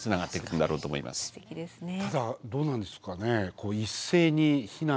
ただどうなんですかね。